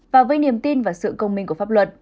và gây niềm tin và sự công minh của pháp luật